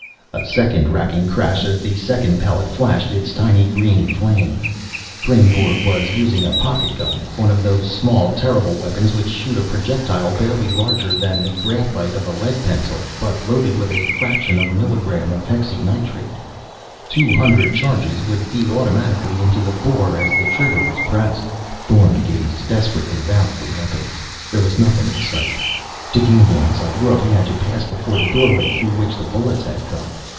A second racking crash as a second pellet flashed its tiny green flame. Kreynborg was using a pocket gun, one of those small terrible weapons which shoot a projectile barely larger than the graphite of a lead pencil, but loaded with a fraction of a milligram of hexynitrate. Two hundred charges would feed automatically into the bore as the trigger was pressed. Thorn gazed desperately about for weapons. There was nothing in sight. To gain the outside world he had to pass before the doorway through which the bullets had come....